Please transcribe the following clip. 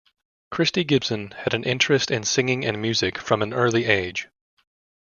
Christy Gibson had an interest in singing and music from an early age.